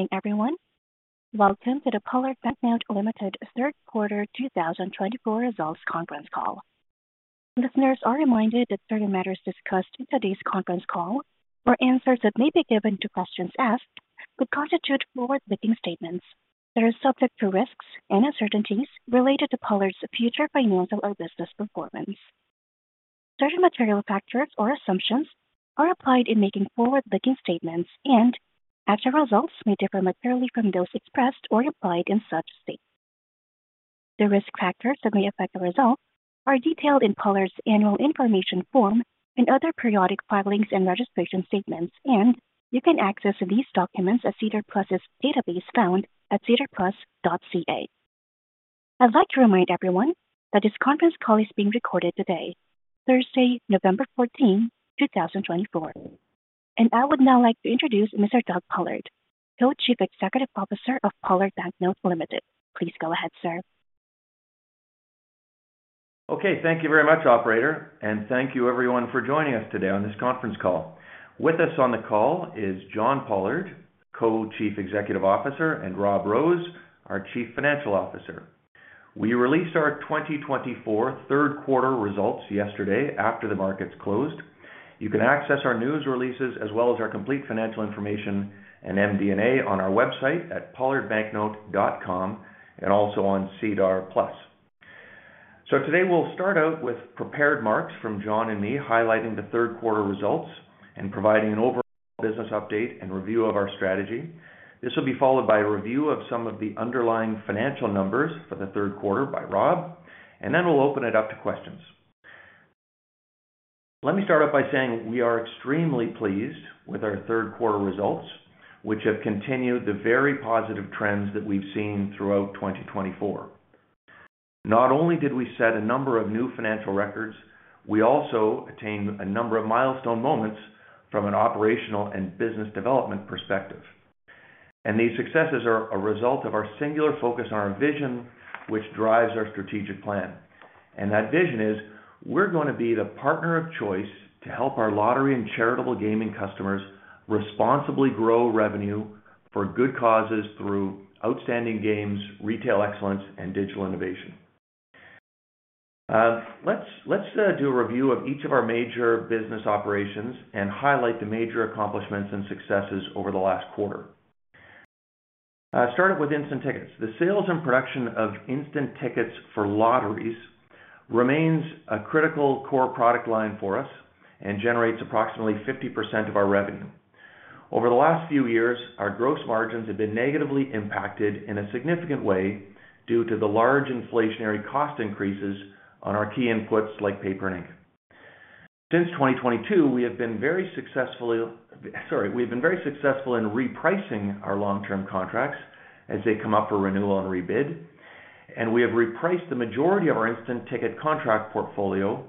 Good morning, everyone. Welcome to the Pollard Banknote Limited third quarter 2024 results conference call. Listeners are reminded that certain matters discussed in today's conference call, or answers that may be given to questions asked, would constitute forward-looking statements that are subject to risks and uncertainties related to Pollard's future financial or business performance. Certain material factors or assumptions are applied in making forward-looking statements, and actual results may differ materially from those expressed or implied in such statements. The risk factors that may affect the result are detailed in Pollard's annual information form and other periodic filings and registration statements, and you can access these documents at SEDAR+'s database found at sedarplus.ca. I'd like to remind everyone that this conference call is being recorded today, Thursday, November 14, 2024. And I would now like to introduce Mr. Doug Pollard, Co-Chief Executive Officer of Pollard Banknote Limited. Please go ahead, sir. Okay, thank you very much, Operator, and thank you, everyone, for joining us today on this conference call. With us on the call is John Pollard, Co-Chief Executive Officer, and Rob Rose, our Chief Financial Officer. We released our 2024 third quarter results yesterday after the markets closed. You can access our news releases as well as our complete financial information and MD&A on our website at pollardbanknote.com and also on SEDAR+. Today we'll start out with prepared remarks from John and me, highlighting the third quarter results and providing an overall business update and review of our strategy. This will be followed by a review of some of the underlying financial numbers for the third quarter by Rob, and then we'll open it up to questions. Let me start out by saying we are extremely pleased with our third quarter results, which have continued the very positive trends that we've seen throughout 2024. Not only did we set a number of new financial records, we also attained a number of milestone moments from an operational and business development perspective. And these successes are a result of our singular focus on our vision, which drives our strategic plan. And that vision is we're going to be the partner of choice to help our lottery and charitable gaming customers responsibly grow revenue for good causes through outstanding games, retail excellence, and digital innovation. Let's do a review of each of our major business operations and highlight the major accomplishments and successes over the last quarter. Starting with instant tickets, the sales and production of instant tickets for lotteries remains a critical core product line for us and generates approximately 50% of our revenue. Over the last few years, our gross margins have been negatively impacted in a significant way due to the large inflationary cost increases on our key inputs like paper and ink. Since 2022, we have been very successful in repricing our long-term contracts as they come up for renewal and rebid, and we have repriced the majority of our instant ticket contract portfolio,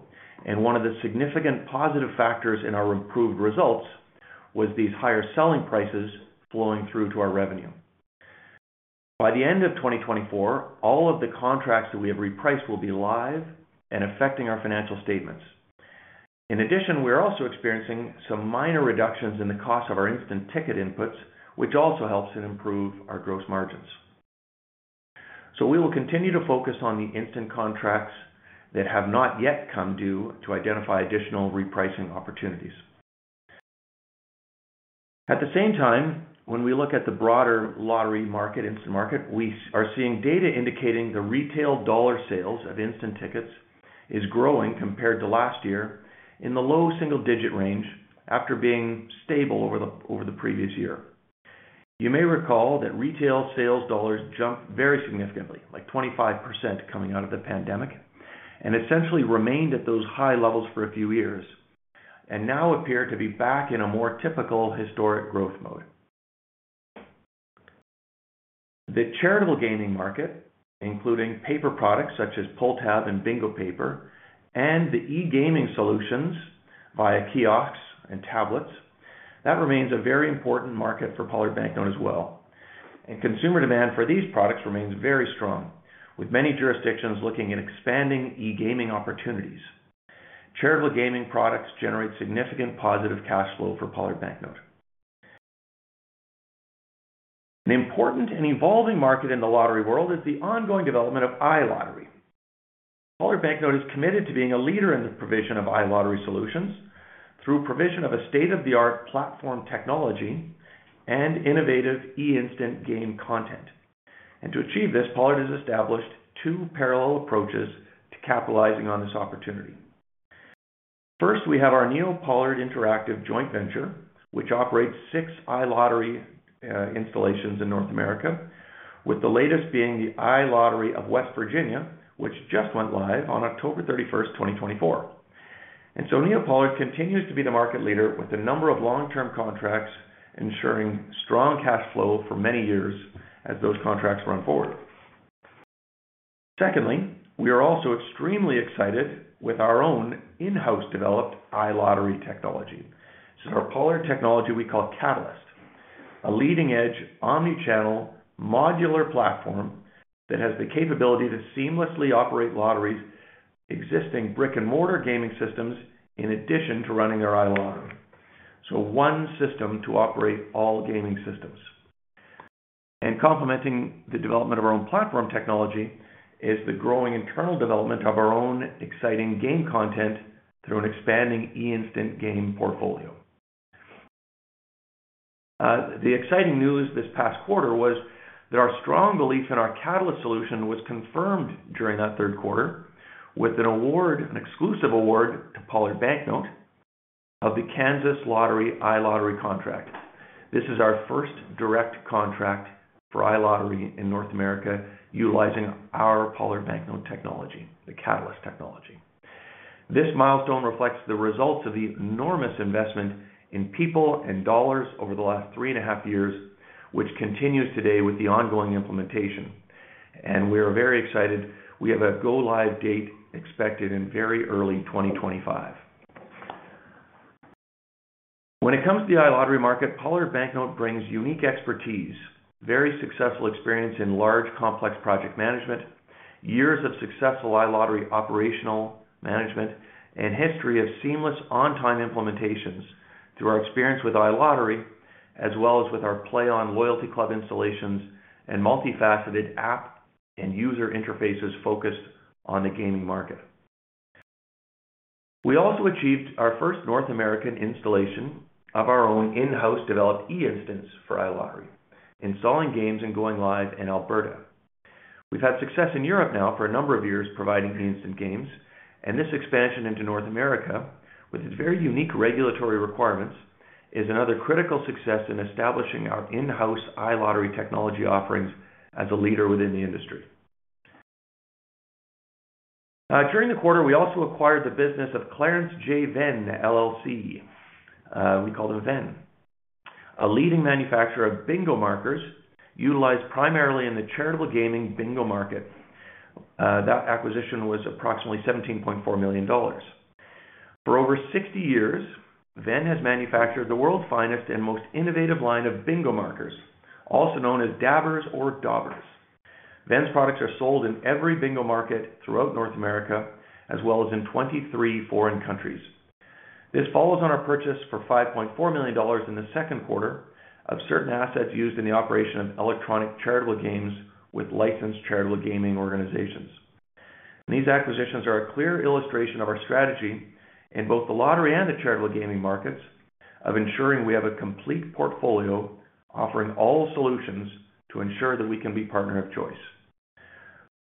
and one of the significant positive factors in our improved results was these higher selling prices flowing through to our revenue. By the end of 2024, all of the contracts that we have repriced will be live and affecting our financial statements. In addition, we are also experiencing some minor reductions in the cost of our instant ticket inputs, which also helps to improve our gross margins. So we will continue to focus on the instant contracts that have not yet come due to identify additional repricing opportunities. At the same time, when we look at the broader lottery market, instant market, we are seeing data indicating the retail dollar sales of instant tickets is growing compared to last year in the low single-digit range after being stable over the previous year. You may recall that retail sales dollars jumped very significantly, like 25% coming out of the pandemic, and essentially remained at those high levels for a few years, and now appear to be back in a more typical historic growth mode. The charitable gaming market, including paper products such as pull-tab and bingo paper, and the e-gaming solutions via kiosks and tablets, that remains a very important market for Pollard Banknote as well, and consumer demand for these products remains very strong, with many jurisdictions looking at expanding e-gaming opportunities. Charitable gaming products generate significant positive cash flow for Pollard Banknote. An important and evolving market in the lottery world is the ongoing development of iLottery. Pollard Banknote is committed to being a leader in the provision of iLottery solutions through provision of a state-of-the-art platform technology and innovative eInstant game content, and to achieve this, Pollard has established two parallel approaches to capitalizing on this opportunity. First, we have our NeoPollard Interactive joint venture, which operates six iLottery installations in North America, with the latest being the iLottery of West Virginia, which just went live on October 31st, 2024. And so NeoPollard continues to be the market leader with a number of long-term contracts, ensuring strong cash flow for many years as those contracts run forward. Secondly, we are also extremely excited with our own in-house developed iLottery technology. This is our Pollard technology we call Catalyst, a leading-edge omnichannel modular platform that has the capability to seamlessly operate lotteries' existing brick-and-mortar gaming systems in addition to running their iLottery. So one system to operate all gaming systems. And complementing the development of our own platform technology is the growing internal development of our own exciting game content through an expanding eInstant game portfolio. The exciting news this past quarter was that our strong belief in our Catalyst solution was confirmed during that third quarter with an award, an exclusive award to Pollard Banknote of the Kansas Lottery iLottery contract. This is our first direct contract for iLottery in North America utilizing our Pollard Banknote technology, the Catalyst technology. This milestone reflects the results of the enormous investment in people and dollars over the last three and a half years, which continues today with the ongoing implementation, and we are very excited. We have a go-live date expected in very early 2025. When it comes to the iLottery market, Pollard Banknote brings unique expertise, very successful experience in large complex project management, years of successful iLottery operational management, and history of seamless on-time implementations through our experience with iLottery, as well as with our PlayOn Loyalty Club installations and multifaceted app and user interfaces focused on the gaming market. We also achieved our first North American installation of our own in-house developed eInstant for iLottery, installing games and going live in Alberta. We've had success in Europe now for a number of years providing eInstant games, and this expansion into North America, with its very unique regulatory requirements, is another critical success in establishing our in-house iLottery technology offerings as a leader within the industry. During the quarter, we also acquired the business of Clarence J. Venne, LLC. We call them Venne, a leading manufacturer of bingo markers utilized primarily in the charitable gaming bingo market. That acquisition was approximately 17.4 million dollars. For over 60 years, Venne has manufactured the world's finest and most innovative line of bingo markers, also known as "dabbers” or “daubers”. Venne's products are sold in every bingo market throughout North America, as well as in 23 foreign countries. This follows on our purchase for 5.4 million dollars in the second quarter of certain assets used in the operation of electronic charitable games with licensed charitable gaming organizations. These acquisitions are a clear illustration of our strategy in both the lottery and the charitable gaming markets of ensuring we have a complete portfolio offering all solutions to ensure that we can be partner of choice.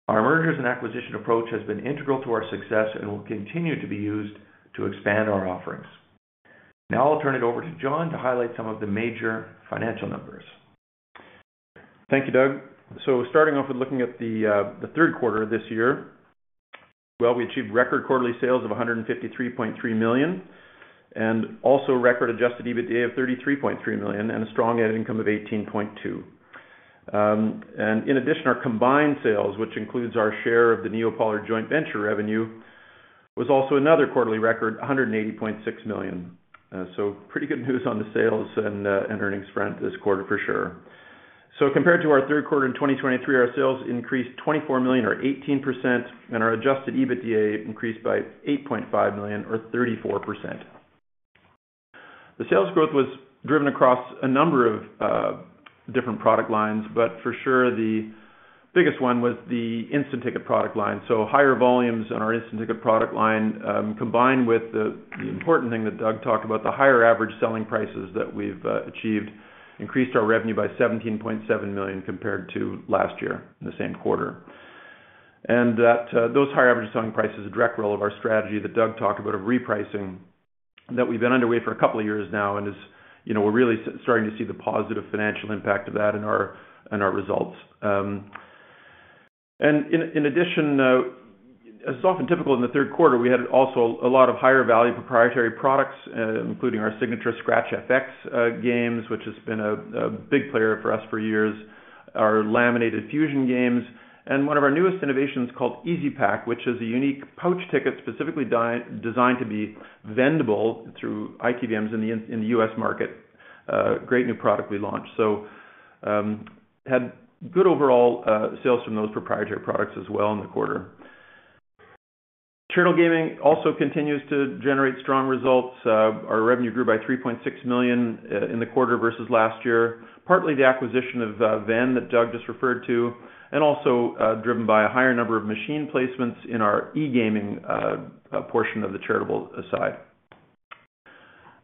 Our mergers and acquisition approach has been integral to our success and will continue to be used to expand our offerings. Now I'll turn it over to John to highlight some of the major financial numbers. Thank you, Doug. So starting off with looking at the third quarter of this year, well, we achieved record quarterly sales of 153.3 million, and also record Adjusted EBITDA of 33.3 million, and a strong net income of 18.2 million. And in addition, our combined sales, which includes our share of the NeoPollard joint venture revenue, was also another quarterly record, 180.6 million. So pretty good news on the sales and earnings front this quarter, for sure. So compared to our third quarter in 2023, our sales increased 24 million, or 18%, and our Adjusted EBITDA increased by 8.5 million, or 34%. The sales growth was driven across a number of different product lines, but for sure, the biggest one was the instant ticket product line. Higher volumes on our instant ticket product line, combined with the important thing that Doug talked about, the higher average selling prices that we've achieved, increased our revenue by 17.7 million compared to last year in the same quarter. Those higher average selling prices are a direct result of our strategy that Doug talked about of repricing that we've been underway for a couple of years now, and we're really starting to see the positive financial impact of that in our results. In addition, as is often typical in the third quarter, we had also a lot of higher value proprietary products, including our signature Scratch FX games, which has been a big player for us for years, our laminated Fusion games, and one of our newest innovations called easyPack, which is a unique pouch ticket specifically designed to be vendable through ITVMs in the US market. Great new product we launched so had good overall sales from those proprietary products as well in the quarter. Charitable gaming also continues to generate strong results. Our revenue grew by 3.6 million in the quarter versus last year, partly the acquisition of Venne that Doug just referred to, and also driven by a higher number of machine placements in our e-gaming portion of the charitable side.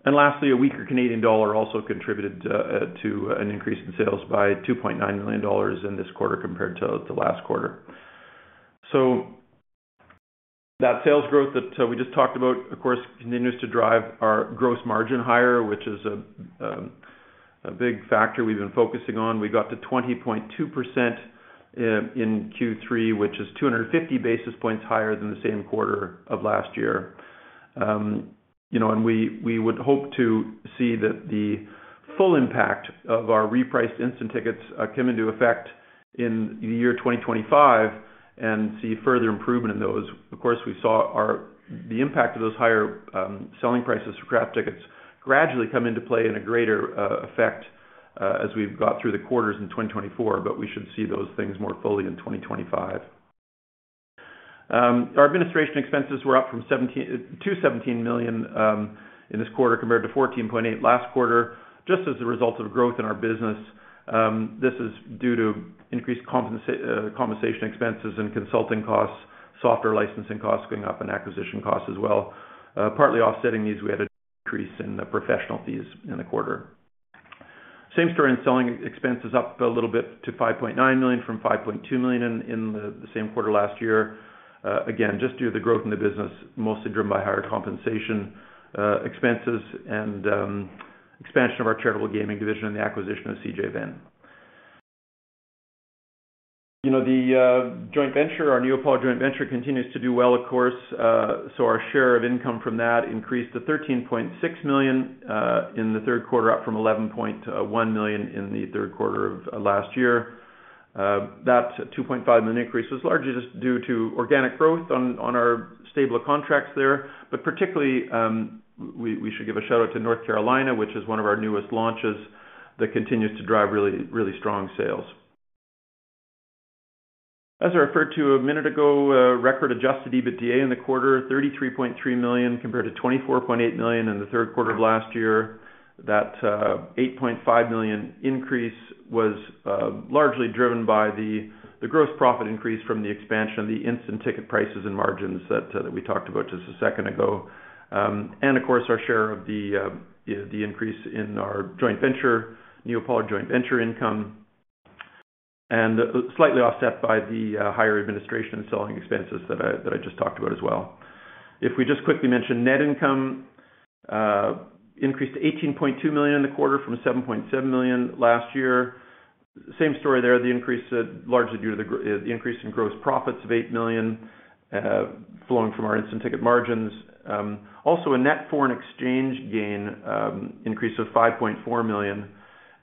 And lastly, a weaker Canadian dollar also contributed to an increase in sales by 2.9 million dollars in this quarter compared to last quarter so that sales growth that we just talked about, of course, continues to drive our gross margin higher, which is a big factor we've been focusing on. We got to 20.2% in Q3, which is 250 basis points higher than the same quarter of last year. We would hope to see that the full impact of our repriced instant tickets come into effect in the year 2025 and see further improvement in those. Of course, we saw the impact of those higher selling prices for scratch tickets gradually come into play in a greater effect as we've got through the quarters in 2024, but we should see those things more fully in 2025. Our administration expenses were up from 217 million in this quarter compared to 14.8 million last quarter, just as a result of growth in our business. This is due to increased compensation expenses and consulting costs, software licensing costs going up, and acquisition costs as well. Partly offsetting these, we had a decrease in professional fees in the quarter. Same story in selling expenses up a little bit to 5.9 million from 5.2 million in the same quarter last year. Again, just due to the growth in the business, mostly driven by higher compensation expenses and expansion of our charitable gaming division and the acquisition of CJ Venne. The joint venture, our NeoPollard joint venture, continues to do well, of course. So our share of income from that increased to 13.6 million in the third quarter, up from 11.1 million in the third quarter of last year. That 2.5 million increase was largely just due to organic growth on our stable contracts there, but particularly, we should give a shout-out to North Carolina, which is one of our newest launches that continues to drive really strong sales. As I referred to a minute ago, record Adjusted EBITDA in the quarter, 33.3 million compared to 24.8 million in the third quarter of last year. That 8.5 million increase was largely driven by the gross profit increase from the expansion of the instant ticket prices and margins that we talked about just a second ago, and of course, our share of the increase in our joint venture, NeoPollard joint venture income, slightly offset by the higher administration and selling expenses that I just talked about as well. If we just quickly mention net income increased to 18.2 million in the quarter from 7.7 million last year. Same story there, the increase largely due to the increase in gross profits of 8 million flowing from our instant ticket margins. Also, a net foreign exchange gain increase of 5.4 million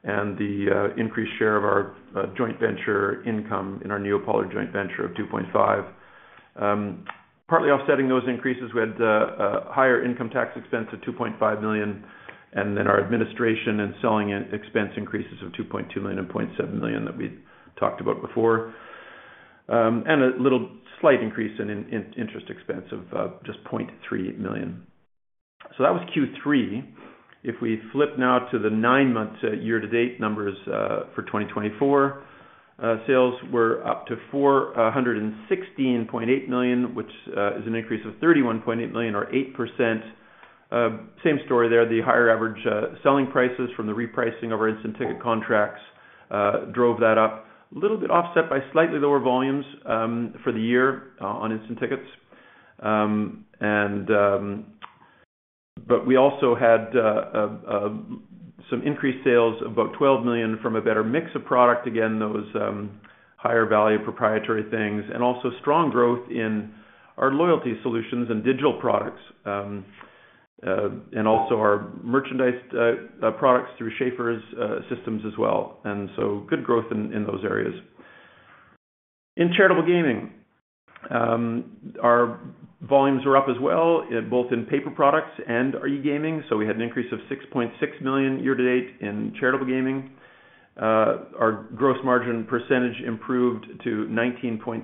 and the increased share of our joint venture income in our NeoPollard joint venture of 2.5 million. Partly offsetting those increases, we had a higher income tax expense of 2.5 million, and then our administration and selling expense increases of 2.2 million and 0.7 million that we talked about before, and a little slight increase in interest expense of just 0.3 million, so that was Q3. If we flip now to the nine-month year-to-date numbers for 2024, sales were up to 116.8 million, which is an increase of 31.8 million, or 8%. Same story there. The higher average selling prices from the repricing of our instant ticket contracts drove that up, a little bit offset by slightly lower volumes for the year on instant tickets. But we also had some increased sales, about 12 million from a better mix of product, again, those higher value proprietary things, and also strong growth in our loyalty solutions and digital products, and also our merchandise products through Schafer Systems as well. And so good growth in those areas. In charitable gaming, our volumes were up as well, both in paper products and e-gaming. So we had an increase of 6.6 million year-to-date in charitable gaming. Our gross margin percentage improved to 19.6%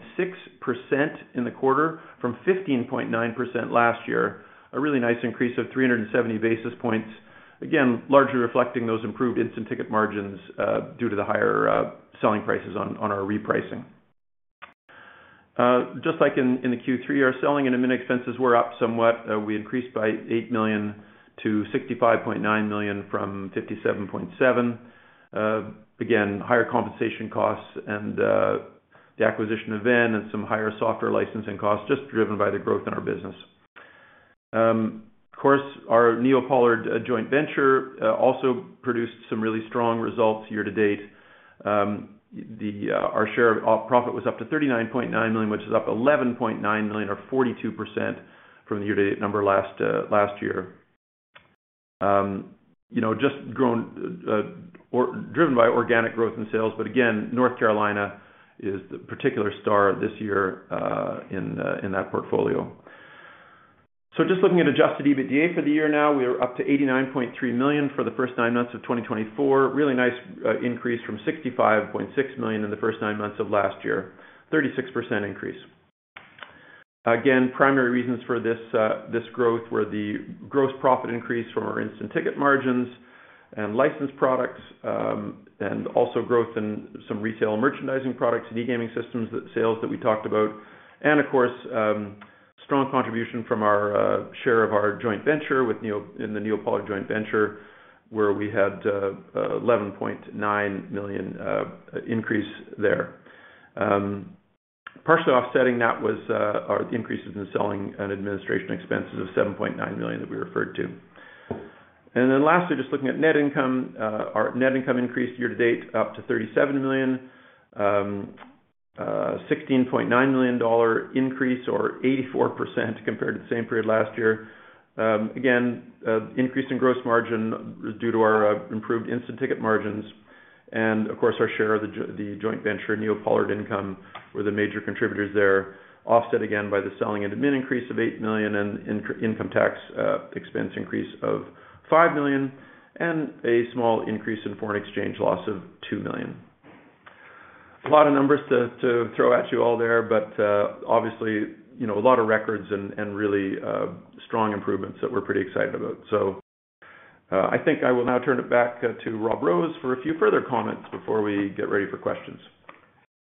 in the quarter from 15.9% last year, a really nice increase of 370 basis points, again, largely reflecting those improved instant ticket margins due to the higher selling prices on our repricing. Just like in the Q3, our selling and admin expenses were up somewhat. We increased by 8 million to 65.9 million from 57.7 million. Again, higher compensation costs and the acquisition of Venne and some higher software licensing costs, just driven by the growth in our business. Of course, our NeoPollard joint venture also produced some really strong results year-to-date. Our share of profit was up to 39.9 million, which is up 11.9 million, or 42% from the year-to-date number last year. Just driven by organic growth in sales, but again, North Carolina is the particular star this year in that portfolio. So just looking at Adjusted EBITDA for the year now, we are up to 89.3 million for the first nine months of 2024. Really nice increase from 65.6 million in the first nine months of last year, 36% increase. Again, primary reasons for this growth were the gross profit increase from our instant ticket margins and licensed products, and also growth in some retail merchandising products, e-gaming systems, sales that we talked about, and of course, strong contribution from our share of our joint venture in the NeoPollard joint venture, where we had a 11.9 million increase there. Partially offsetting that was our increases in selling and administration expenses of 7.9 million that we referred to. And then lastly, just looking at net income, our net income increased year-to-date up to 37 million, a 16.9 million dollar increase, or 84% compared to the same period last year. Again, increase in gross margin due to our improved instant ticket margins. Of course, our share of the joint venture, NeoPollard income, were the major contributors there, offset again by the selling and admin increase of 8 million and income tax expense increase of 5 million, and a small increase in foreign exchange loss of 2 million. A lot of numbers to throw at you all there, but obviously, a lot of records and really strong improvements that we're pretty excited about. I think I will now turn it back to Rob Rose for a few further comments before we get ready for questions.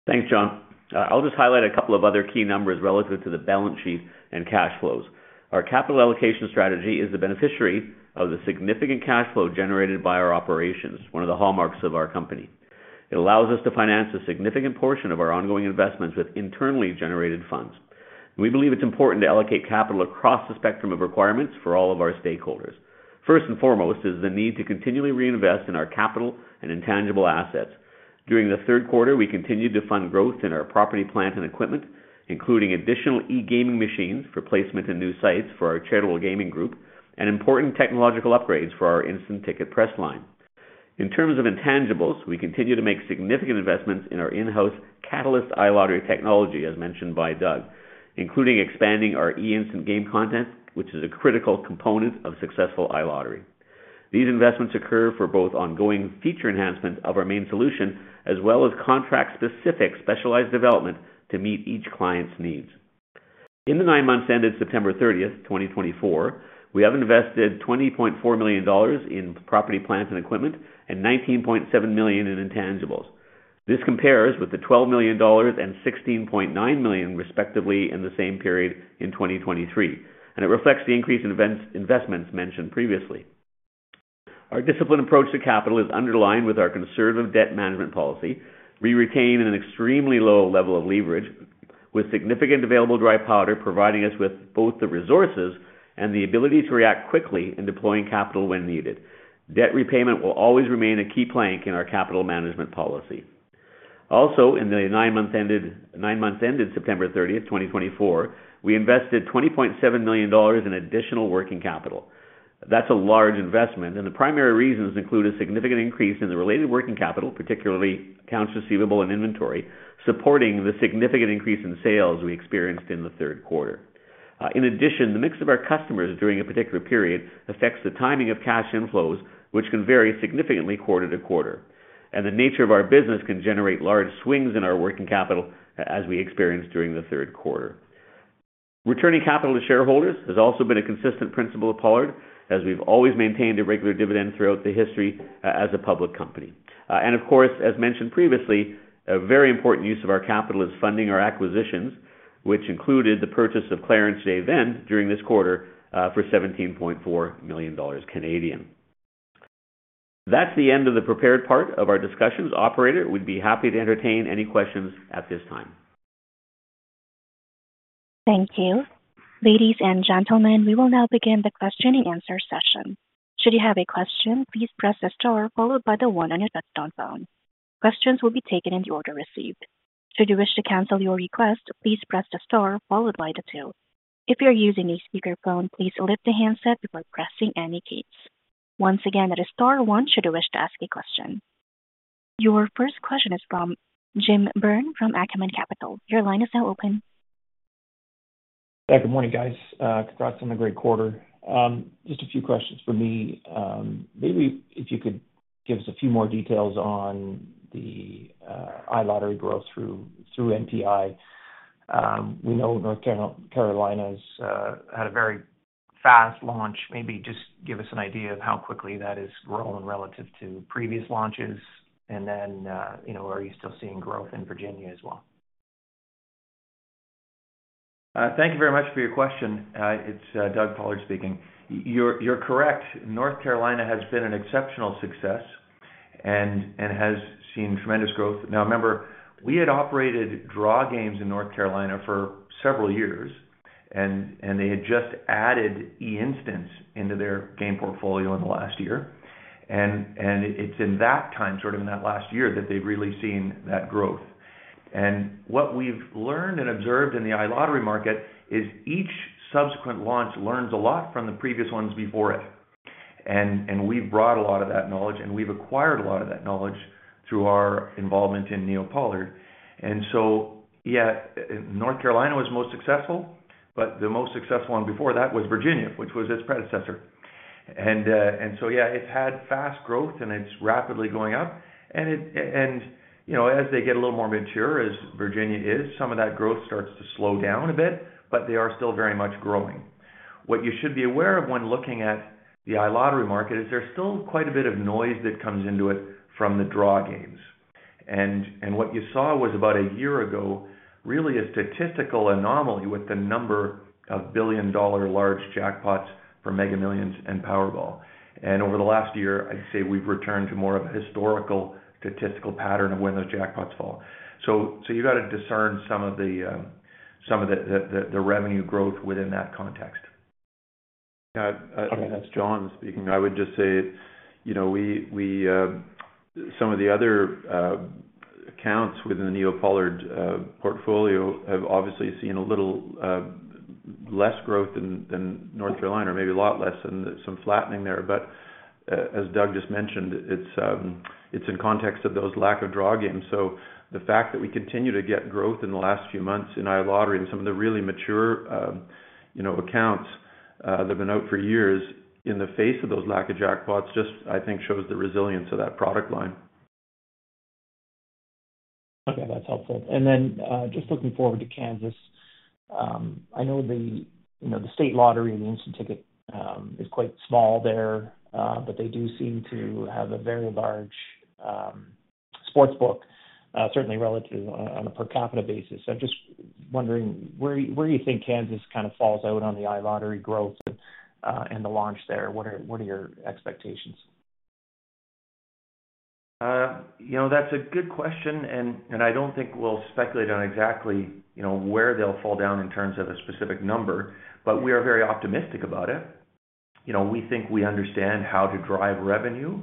Thanks, John. I'll just highlight a couple of other key numbers relative to the balance sheet and cash flows. Our capital allocation strategy is the beneficiary of the significant cash flow generated by our operations, one of the hallmarks of our company. It allows us to finance a significant portion of our ongoing investments with internally generated funds. We believe it's important to allocate capital across the spectrum of requirements for all of our stakeholders. First and foremost is the need to continually reinvest in our capital and intangible assets. During the third quarter, we continued to fund growth in our property, plant, and equipment, including additional e-gaming machines for placement in new sites for our charitable gaming group, and important technological upgrades for our instant ticket press line. In terms of intangibles, we continue to make significant investments in our in-house Catalyst iLottery technology, as mentioned by Doug, including expanding our eInstant game content, which is a critical component of successful iLottery. These investments occur for both ongoing feature enhancements of our main solution as well as contract-specific specialized development to meet each client's needs. In the nine months ended September 30th, 2024, we have invested 20.4 million dollars in property plant and equipment and 19.7 million in intangibles. This compares with the 12 million dollars and 16.9 million, respectively, in the same period in 2023. And it reflects the increase in investments mentioned previously. Our disciplined approach to capital is underlined with our conservative debt management policy. We retain an extremely low level of leverage, with significant available dry powder providing us with both the resources and the ability to react quickly in deploying capital when needed. Debt repayment will always remain a key plank in our capital management policy. Also, in the nine months ended September 30th, 2024, we invested 20.7 million dollars in additional working capital. That's a large investment, and the primary reasons include a significant increase in the related working capital, particularly accounts receivable and inventory, supporting the significant increase in sales we experienced in the third quarter. In addition, the mix of our customers during a particular period affects the timing of cash inflows, which can vary significantly quarter-to-quarter. And the nature of our business can generate large swings in our working capital as we experienced during the third quarter. Returning capital to shareholders has also been a consistent principle at Pollard, as we've always maintained a regular dividend throughout the history as a public company. Of course, as mentioned previously, a very important use of our capital is funding our acquisitions, which included the purchase of Clarence J. Venne during this quarter for 17.4 million Canadian dollars. That's the end of the prepared part of our discussions. Operator, we'd be happy to entertain any questions at this time. Thank you. Ladies and gentlemen, we will now begin the question and answer session. Should you have a question, please press the star followed by the one on your touch-tone phone. Questions will be taken in the order received. Should you wish to cancel your request, please press the star followed by the two. If you're using a speakerphone, please lift the handset before pressing any keys. Once again, that is star one should you wish to ask a question. Your first question is from Jim Byrne from Acumen Capital. Your line is now open. Yeah, good morning, guys. Congrats on the great quarter. Just a few questions for me. Maybe if you could give us a few more details on the iLottery growth through NPI. We know North Carolina's had a very fast launch. Maybe just give us an idea of how quickly that is growing relative to previous launches. And then are you still seeing growth in Virginia as well? Thank you very much for your question. It's Doug Pollard speaking. You're correct. North Carolina has been an exceptional success and has seen tremendous growth. Now, remember, we had operated draw games in North Carolina for several years, and they had just added eInstant into their game portfolio in the last year, and it's in that time, sort of in that last year, that they've really seen that growth, and what we've learned and observed in the iLottery market is each subsequent launch learns a lot from the previous ones before it, and we've brought a lot of that knowledge, and we've acquired a lot of that knowledge through our involvement in NeoPollard, and so, yeah, North Carolina was most successful, but the most successful one before that was Virginia, which was its predecessor, and so, yeah, it's had fast growth, and it's rapidly going up. As they get a little more mature, as Virginia is, some of that growth starts to slow down a bit, but they are still very much growing. What you should be aware of when looking at the iLottery market is there's still quite a bit of noise that comes into it from the draw games. What you saw was about a year ago really a statistical anomaly with the number of billion-dollar large jackpots for Mega Millions and Powerball. Over the last year, I'd say we've returned to more of a historical statistical pattern of when those jackpots fall. You've got to discern some of the revenue growth within that context. Okay, that's John speaking. I would just say some of the other accounts within the NeoPollard portfolio have obviously seen a little less growth than North Carolina, or maybe a lot less than some flattening there. But as Doug just mentioned, it's in context of those lack of draw games. So the fact that we continue to get growth in the last few months in iLottery and some of the really mature accounts that have been out for years in the face of those lack of jackpots just, I think, shows the resilience of that product line. Okay, that's helpful. And then just looking forward to Kansas, I know the state lottery and the instant ticket is quite small there, but they do seem to have a very large sports book, certainly relative on a per capita basis. So just wondering where you think Kansas kind of falls out on the iLottery growth and the launch there. What are your expectations? That's a good question, and I don't think we'll speculate on exactly where they'll fall down in terms of a specific number, but we are very optimistic about it. We think we understand how to drive revenue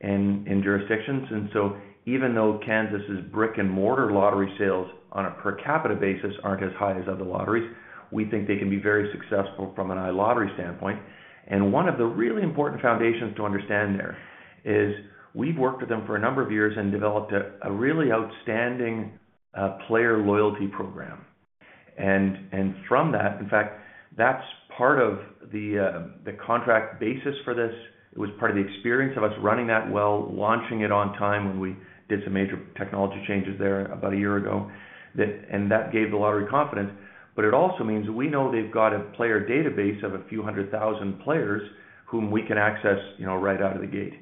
in jurisdictions. And so even though Kansas's brick-and-mortar lottery sales on a per capita basis aren't as high as other lotteries, we think they can be very successful from an iLottery standpoint. And one of the really important foundations to understand there is we've worked with them for a number of years and developed a really outstanding player loyalty program. And from that, in fact, that's part of the contract basis for this. It was part of the experience of us running that well, launching it on time when we did some major technology changes there about a year ago, and that gave the lottery confidence. But it also means we know they've got a player database of a few hundred thousand players whom we can access right out of the gate.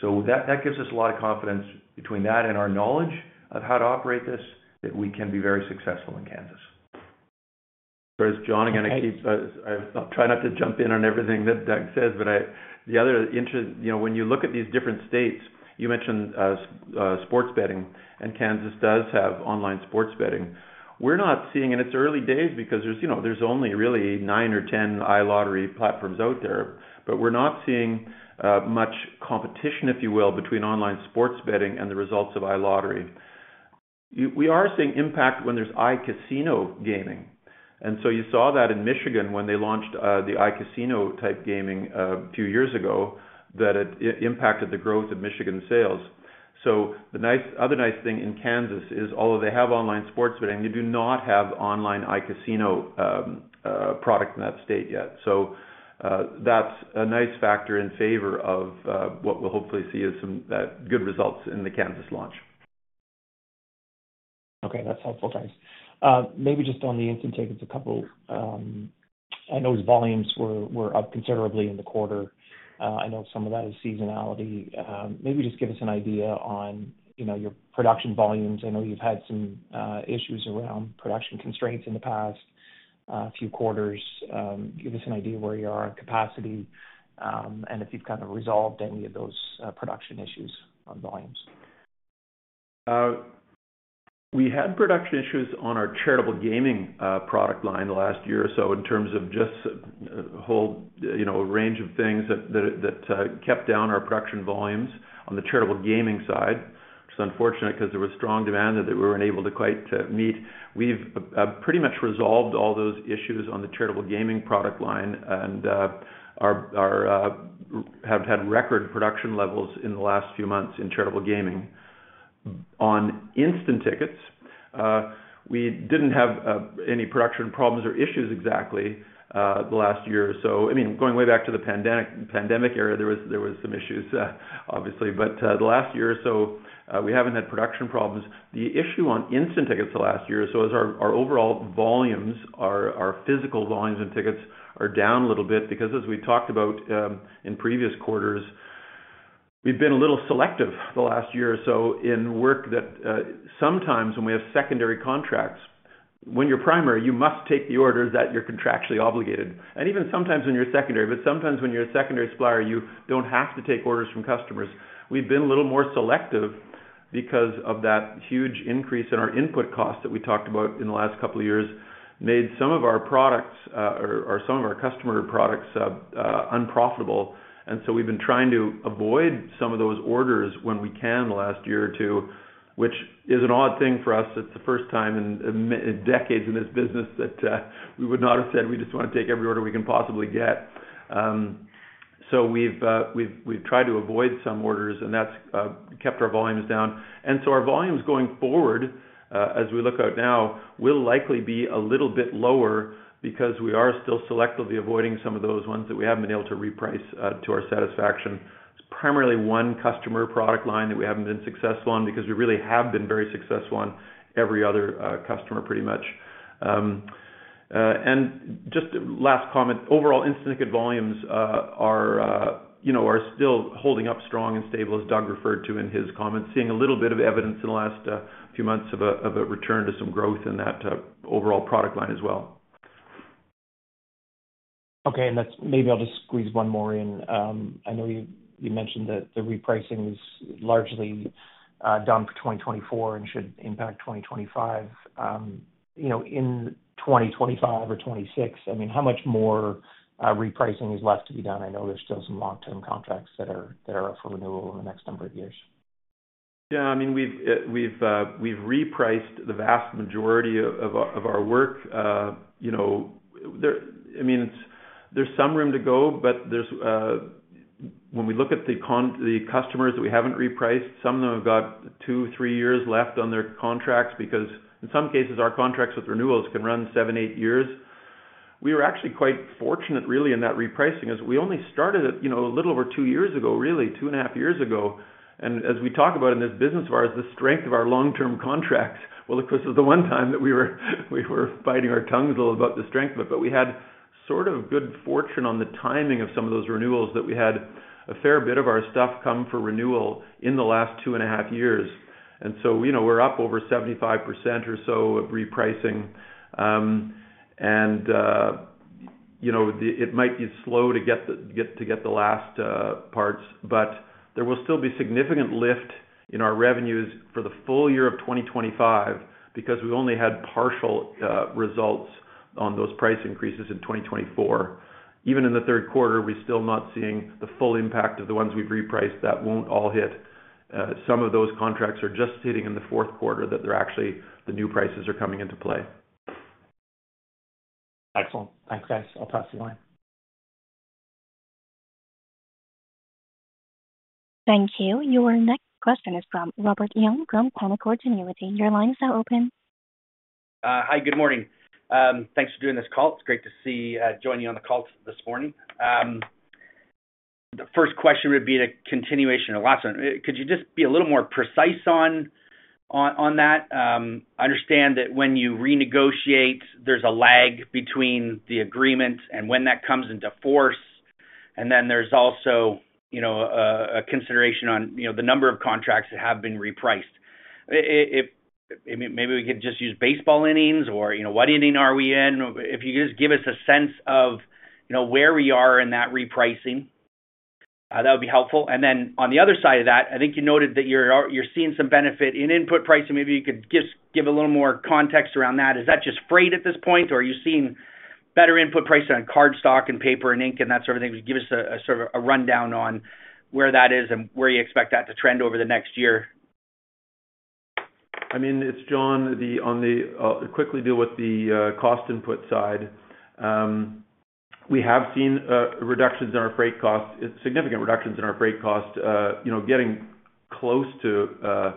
So that gives us a lot of confidence between that and our knowledge of how to operate this, that we can be very successful in Kansas. It's John again keeps, I'm trying not to jump in on everything that Doug says, but the other interesting, when you look at these different states, you mentioned sports betting, and Kansas does have online sports betting. We're not seeing, and it's early days because there's only really nine or 10 iLottery platforms out there, but we're not seeing much competition, if you will, between online sports betting and the results of iLottery. We are seeing impact when there's iCasino gaming. And so you saw that in Michigan when they launched the iCasino type gaming a few years ago, that it impacted the growth of Michigan sales. So the other nice thing in Kansas is, although they have online sports betting, they do not have online iCasino product in that state yet. So that's a nice factor in favor of what we'll hopefully see as some good results in the Kansas launch. Okay, that's helpful, guys. Maybe just on the instant tickets, a couple—I know volumes were up considerably in the quarter. I know some of that is seasonality. Maybe just give us an idea on your production volumes. I know you've had some issues around production constraints in the past few quarters. Give us an idea where you are on capacity and if you've kind of resolved any of those production issues on volumes. We had production issues on our charitable gaming product line the last year or so in terms of just a whole range of things that kept down our production volumes on the charitable gaming side. It's unfortunate because there was strong demand that we weren't able to quite meet. We've pretty much resolved all those issues on the charitable gaming product line and have had record production levels in the last few months in charitable gaming. On instant tickets, we didn't have any production problems or issues exactly the last year or so. I mean, going way back to the pandemic era, there were some issues, obviously. But the last year or so, we haven't had production problems. The issue on instant tickets the last year or so is our overall volumes. Our physical volumes and tickets are down a little bit because, as we talked about in previous quarters, we've been a little selective the last year or so in work that sometimes when we have secondary contracts, when you're primary, you must take the orders that you're contractually obligated. And even sometimes when you're secondary, but sometimes when you're a secondary supplier, you don't have to take orders from customers. We've been a little more selective because of that huge increase in our input costs that we talked about in the last couple of years made some of our products or some of our customer products unprofitable. And so we've been trying to avoid some of those orders when we can the last year or two, which is an odd thing for us. It's the first time in decades in this business that we would not have said, "We just want to take every order we can possibly get." So we've tried to avoid some orders, and that's kept our volumes down. And so our volumes going forward, as we look out now, will likely be a little bit lower because we are still selectively avoiding some of those ones that we haven't been able to reprice to our satisfaction. It's primarily one customer product line that we haven't been successful on because we really have been very successful on every other customer, pretty much. And just last comment, overall instant ticket volumes are still holding up strong and stable, as Doug referred to in his comments, seeing a little bit of evidence in the last few months of a return to some growth in that overall product line as well. Okay, and maybe I'll just squeeze one more in. I know you mentioned that the repricing is largely done for 2024 and should impact 2025. In 2025 or 2026, I mean, how much more repricing is left to be done? I know there's still some long-term contracts that are up for renewal in the next number of years. Yeah, I mean, we've repriced the vast majority of our work. I mean, there's some room to go, but when we look at the customers that we haven't repriced, some of them have got two, three years left on their contracts because in some cases, our contracts with renewals can run seven, eight years. We were actually quite fortunate, really, in that repricing as we only started a little over two years ago, really, two and a half years ago. And as we talk about in this business of ours, the strength of our long-term contracts, well, of course, it was the one time that we were biting our tongues a little about the strength of it. But we had sort of good fortune on the timing of some of those renewals that we had a fair bit of our stuff come for renewal in the last two and a half years. And so we're up over 75% or so of repricing. And it might be slow to get the last parts, but there will still be significant lift in our revenues for the full year of 2025 because we only had partial results on those price increases in 2024. Even in the third quarter, we're still not seeing the full impact of the ones we've repriced that won't all hit. Some of those contracts are just hitting in the fourth quarter that actually the new prices are coming into play. Excellent. Thanks, guys. I'll pass the line. Thank you. Your next question is from Robert Young from Canaccord Genuity. Your line is now open. Hi, good morning. Thanks for doing this call. It's great to see joining you on the call this morning. The first question would be a continuation or last one. Could you just be a little more precise on that? I understand that when you renegotiate, there's a lag between the agreement and when that comes into force. And then there's also a consideration on the number of contracts that have been repriced. Maybe we could just use baseball innings or what inning are we in? If you could just give us a sense of where we are in that repricing, that would be helpful. And then on the other side of that, I think you noted that you're seeing some benefit in input pricing. Maybe you could give a little more context around that. Is that just freight at this point, or are you seeing better input pricing on card stock and paper and ink and that sort of thing? Give us a sort of a rundown on where that is and where you expect that to trend over the next year. I mean, it's John on the call quickly deal with the cost input side. We have seen reductions in our freight costs, significant reductions in our freight costs, getting close to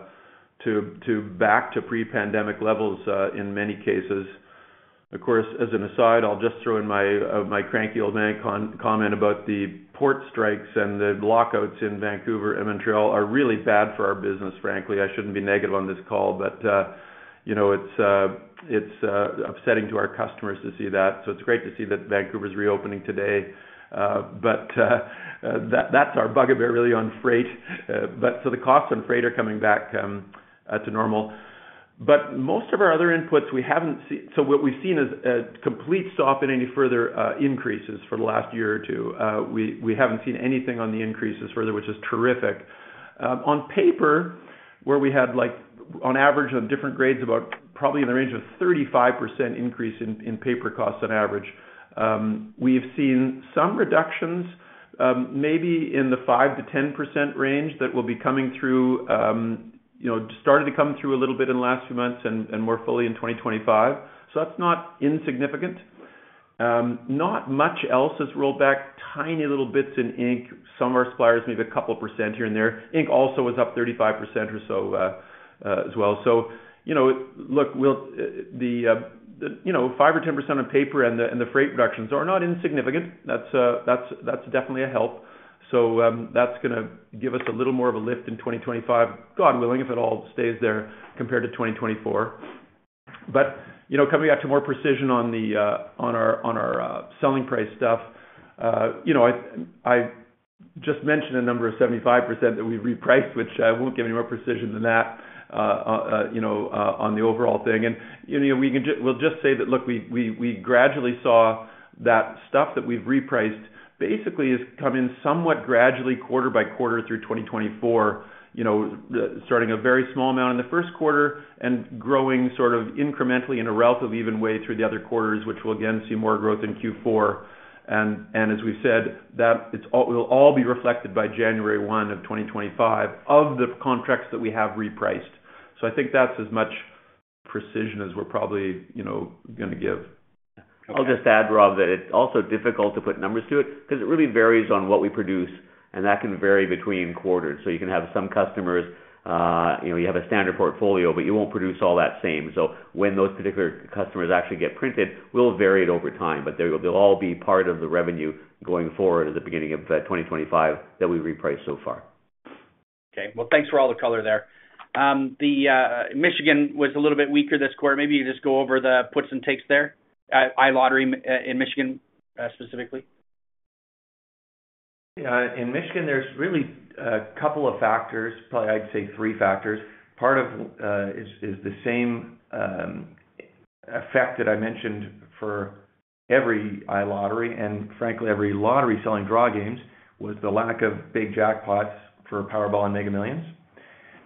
back to pre-pandemic levels in many cases. Of course, as an aside, I'll just throw in my cranky old man comment about the port strikes and the lockouts in Vancouver and Montreal are really bad for our business, frankly. I shouldn't be negative on this call, but it's upsetting to our customers to see that. So it's great to see that Vancouver's reopening today. But that's our bugaboo really on freight. But so the costs on freight are coming back to normal. But most of our other inputs, we haven't seen. So what we've seen is a complete stop in any further increases for the last year or two. We haven't seen anything on the increases further, which is terrific. On paper, where we had on average on different grades, about probably in the range of 35% increase in paper costs on average. We've seen some reductions, maybe in the 5%-10% range that will be coming through, started to come through a little bit in the last few months and more fully in 2025. So that's not insignificant. Not much else has rolled back, tiny little bits in ink, some of our suppliers, maybe a couple of % here and there. Ink also was up 35% or so as well. So look, the 5% or 10% on paper and the freight reductions are not insignificant. That's definitely a help. So that's going to give us a little more of a lift in 2025, God willing, if it all stays there compared to 2024. But coming back to more precision on our selling price stuff, I just mentioned a number of 75% that we've repriced, which I won't give any more precision than that on the overall thing. And we'll just say that, look, we gradually saw that stuff that we've repriced basically is coming somewhat gradually quarter-by-quarter through 2024, starting a very small amount in the first quarter and growing sort of incrementally in a relative even way through the other quarters, which will again see more growth in Q4. And as we've said, that will all be reflected by January 1, 2025 of the contracts that we have repriced. So I think that's as much precision as we're probably going to give. I'll just add, Rob, that it's also difficult to put numbers to it because it really varies on what we produce, and that can vary between quarters. So you can have some customers, you have a standard portfolio, but you won't produce all that same. So when those particular customers actually get printed, we'll vary it over time, but they'll all be part of the revenue going forward at the beginning of 2025 that we repriced so far. Okay. Thanks for all the color there. Michigan was a little bit weaker this quarter. Maybe you could just go over the puts and takes there, iLottery in Michigan specifically. Yeah. In Michigan, there's really a couple of factors, probably I'd say three factors. Part of it is the same effect that I mentioned for every iLottery and, frankly, every lottery selling draw games was the lack of big jackpots for Powerball and Mega Millions.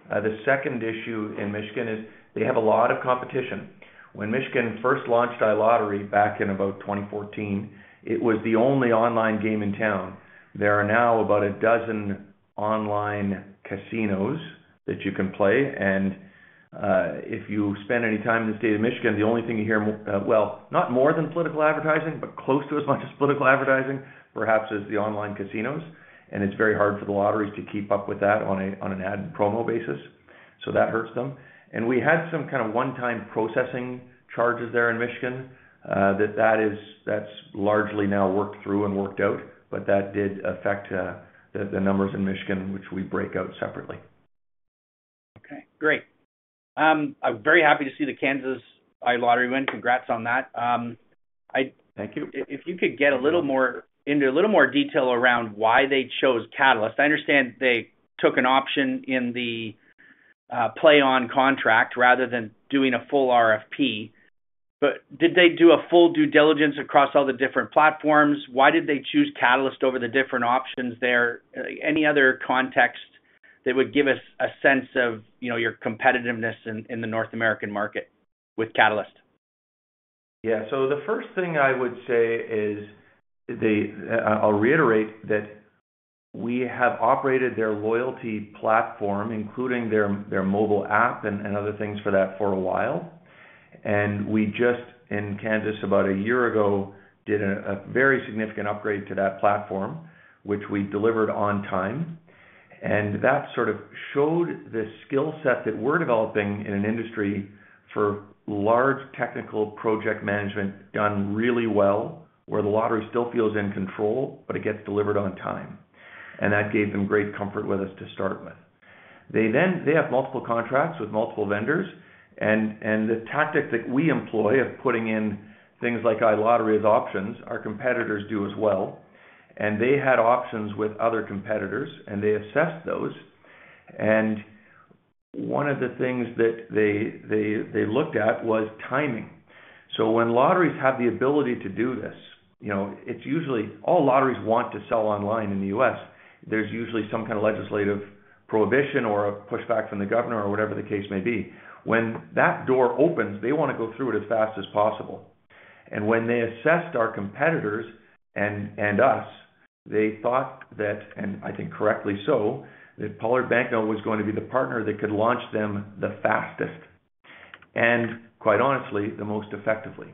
The second issue in Michigan is they have a lot of competition. When Michigan first launched iLottery back in about 2014, it was the only online game in town. There are now about a dozen online casinos that you can play. And if you spend any time in the state of Michigan, the only thing you hear, well, not more than political advertising, but close to as much as political advertising, perhaps is the online casinos. And it's very hard for the lotteries to keep up with that on an ad and promo basis. So that hurts them. We had some kind of one-time processing charges there in Michigan. That's largely now worked through and worked out, but that did affect the numbers in Michigan, which we break out separately. Okay. Great. I'm very happy to see the Kansas iLottery win. Congrats on that. Thank you. If you could get a little more into a little more detail around why they chose Catalyst? I understand they took an option in the PlayOn contract rather than doing a full RFP, but did they do a full due diligence across all the different platforms? Why did they choose Catalyst over the different options there? Any other context that would give us a sense of your competitiveness in the North American market with Catalyst? Yeah. So the first thing I would say is I'll reiterate that we have operated their loyalty platform, including their mobile app and other things for that for a while. And we just, in Kansas, about a year ago, did a very significant upgrade to that platform, which we delivered on time. And that sort of showed the skill set that we're developing in an industry for large technical project management done really well, where the lottery still feels in control, but it gets delivered on time. And that gave them great comfort with us to start with. They have multiple contracts with multiple vendors. And the tactic that we employ of putting in things like iLottery as options, our competitors do as well. And they had options with other competitors, and they assessed those. And one of the things that they looked at was timing. When lotteries have the ability to do this, it's usually all lotteries want to sell online in the U.S. There's usually some kind of legislative prohibition or a pushback from the governor or whatever the case may be. When that door opens, they want to go through it as fast as possible. And when they assessed our competitors and us, they thought that, and I think correctly so, that Pollard Banknote was going to be the partner that could launch them the fastest and, quite honestly, the most effectively.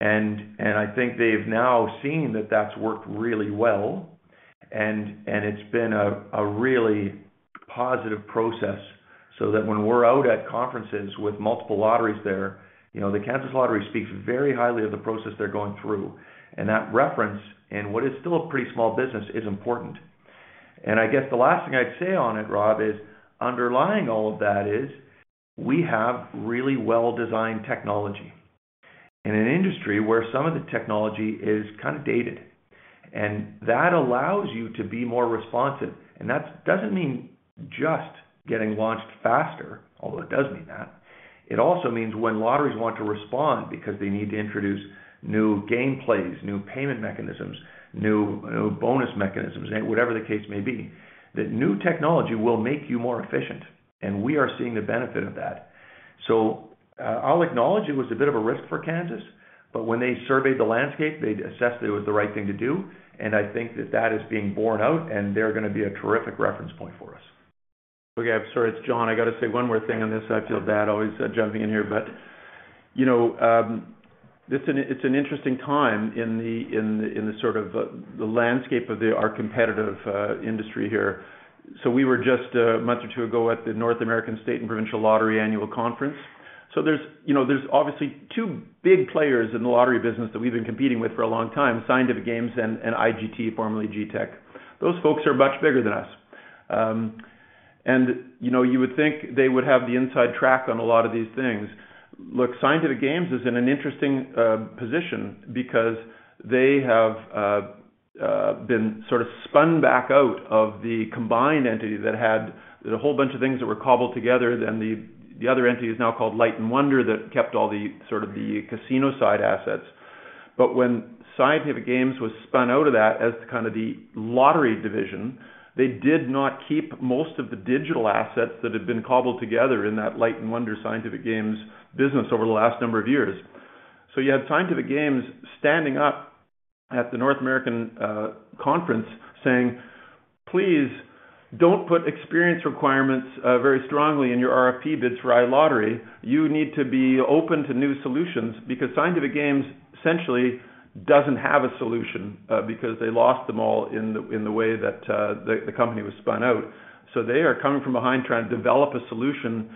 And I think they've now seen that that's worked really well. And it's been a really positive process so that when we're out at conferences with multiple lotteries there, the Kansas Lottery speaks very highly of the process they're going through. And that reference in what is still a pretty small business is important. I guess the last thing I'd say on it, Rob, is underlying all of that is we have really well-designed technology in an industry where some of the technology is kind of dated. That allows you to be more responsive. That doesn't mean just getting launched faster, although it does mean that. It also means when lotteries want to respond because they need to introduce new gameplays, new payment mechanisms, new bonus mechanisms, whatever the case may be, that new technology will make you more efficient. We are seeing the benefit of that. I'll acknowledge it was a bit of a risk for Kansas, but when they surveyed the landscape, they assessed it was the right thing to do. I think that that is being borne out, and they're going to be a terrific reference point for us. Okay. I'm sorry. It's John. I got to say one more thing on this. I feel bad always jumping in here, but it's an interesting time in the sort of the landscape of our competitive industry here. So we were just a month or two ago at the North American State and Provincial Lottery Annual Conference. So there's obviously two big players in the lottery business that we've been competing with for a long time, Scientific Games and IGT, formerly GTECH. Those folks are much bigger than us, and you would think they would have the inside track on a lot of these things. Look, Scientific Games is in an interesting position because they have been sort of spun back out of the combined entity that had a whole bunch of things that were cobbled together. Then the other entity is now called Light & Wonder that kept all the sort of the casino side assets. But when Scientific Games was spun out of that as kind of the lottery division, they did not keep most of the digital assets that had been cobbled together in that Light & Wonder Scientific Games business over the last number of years. So you had Scientific Games standing up at the North American Conference saying, "Please don't put experience requirements very strongly in your RFP bids for iLottery. You need to be open to new solutions because Scientific Games essentially doesn't have a solution because they lost them all in the way that the company was spun out." So they are coming from behind trying to develop a solution.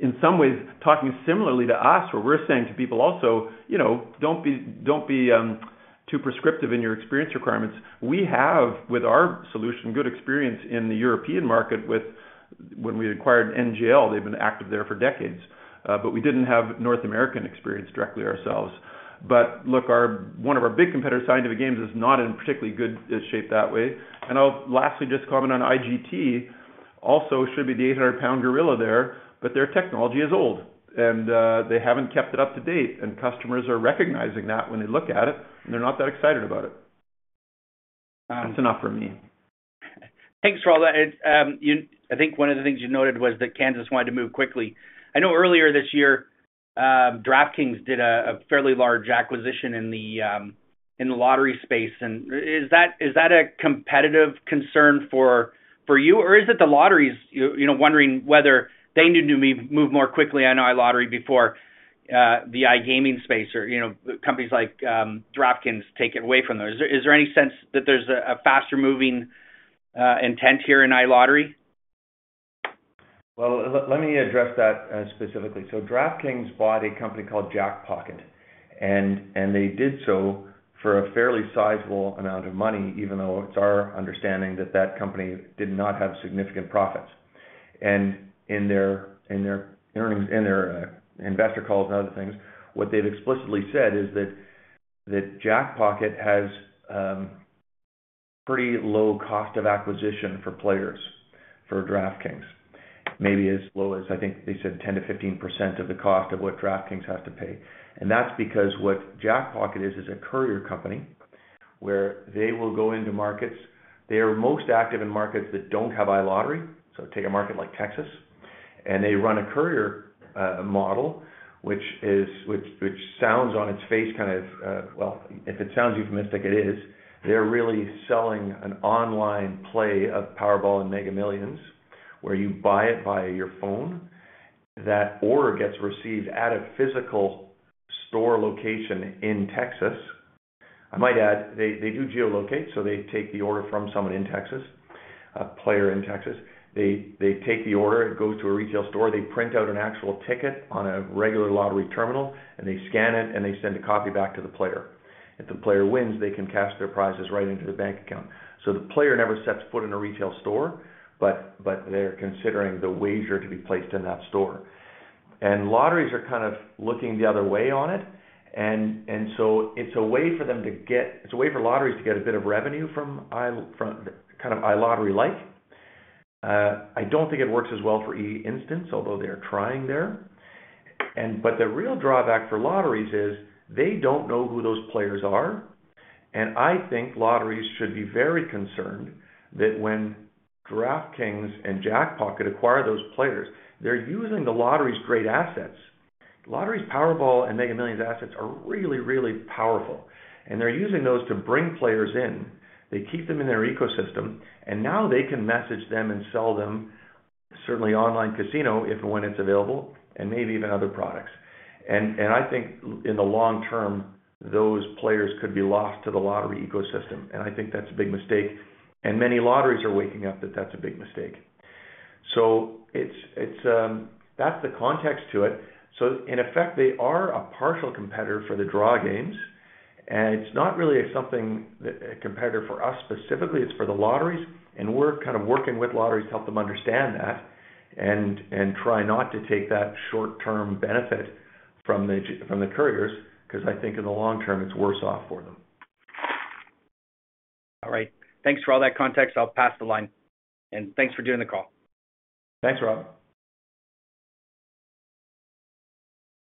In some ways, talking similarly to us, where we're saying to people also, "Don't be too prescriptive in your experience requirements." We have, with our solution, good experience in the European market. When we acquired NGL, they've been active there for decades, but we didn't have North American experience directly ourselves. Look, one of our big competitors, Scientific Games, is not in particularly good shape that way. I'll lastly just comment on IGT. Also should be the 800-pound gorilla there, but their technology is old, and they haven't kept it up to date. Customers are recognizing that when they look at it, and they're not that excited about it. That's enough for me. Thanks for all that. I think one of the things you noted was that Kansas wanted to move quickly. I know earlier this year, DraftKings did a fairly large acquisition in the lottery space. And is that a competitive concern for you, or is it the lotteries wondering whether they need to move more quickly on iLottery before the iGaming space or companies like DraftKings take it away from them? Is there any sense that there's a faster-moving intent here in iLottery? Let me address that specifically. So DraftKings bought a company called Jackpocket, and they did so for a fairly sizable amount of money, even though it's our understanding that that company did not have significant profits. And in their investor calls and other things, what they've explicitly said is that Jackpocket has pretty low cost of acquisition for players for DraftKings, maybe as low as I think they said 10%-15% of the cost of what DraftKings has to pay. And that's because what Jackpocket is, is a courier company where they will go into markets. They are most active in markets that don't have iLottery. So take a market like Texas, and they run a courier model, which sounds on its face kind of, well, if it sounds euphemistic, it is. They're really selling an online play of Powerball and Mega Millions where you buy it via your phone. That order gets received at a physical store location in Texas. I might add they do geolocate, so they take the order from someone in Texas, a player in Texas. They take the order, it goes to a retail store, they print out an actual ticket on a regular lottery terminal, and they scan it, and they send a copy back to the player. If the player wins, they can cash their prizes right into the bank account. So the player never sets foot in a retail store, but they're considering the wager to be placed in that store, and lotteries are kind of looking the other way on it. And so it's a way for lotteries to get a bit of revenue from kind of iLottery-like. I don't think it works as well for eInstant, although they're trying there. But the real drawback for lotteries is they don't know who those players are. And I think lotteries should be very concerned that when DraftKings and Jackpocket acquire those players, they're using the lottery's great assets. Lottery's Powerball and Mega Millions assets are really, really powerful. And they're using those to bring players in. They keep them in their ecosystem, and now they can message them and sell them, certainly online casino if and when it's available, and maybe even other products. And I think in the long term, those players could be lost to the lottery ecosystem. And I think that's a big mistake. And many lotteries are waking up that that's a big mistake. So that's the context to it. So in effect, they are a partial competitor for the draw games. And it's not really something that a competitor for us specifically. It's for the lotteries. And we're kind of working with lotteries to help them understand that and try not to take that short-term benefit from the couriers because I think in the long term, it's worse off for them. All right. Thanks for all that context. I'll pass the line. And thanks for doing the call. Thanks, Rob.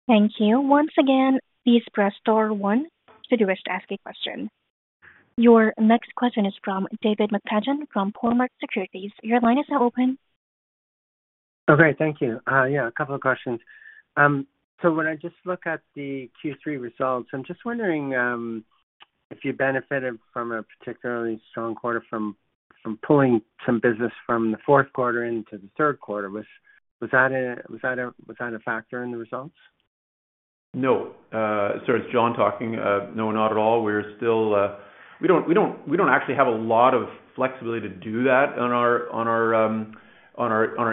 Thank you. Once again, please press star one to do is to ask a question. Your next question is from David McFadgen from Cormark Securities. Your line is now open. Okay. Thank you. Yeah, a couple of questions. So when I just look at the Q3 results, I'm just wondering if you benefited from a particularly strong quarter from pulling some business from the fourth quarter into the third quarter. Was that a factor in the results? No. Sorry, it's John talking. No, not at all. We don't actually have a lot of flexibility to do that on our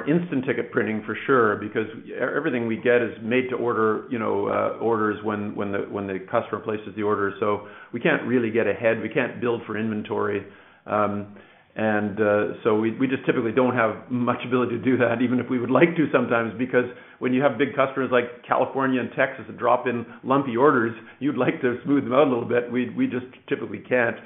instant ticket printing for sure because everything we get is made-to-order orders when the customer places the order. So we can't really get ahead. We can't build for inventory, and so we just typically don't have much ability to do that, even if we would like to sometimes because when you have big customers like California and Texas that drop in lumpy orders, you'd like to smooth them out a little bit. We just typically can't,